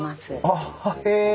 あっへえ！